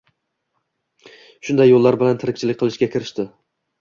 Shunday yo'llar bilan tirikchilik qilishga kirishdi.